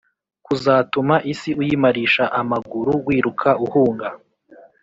kuzatuma isi uyimarisha amaguru wiruka uhunga,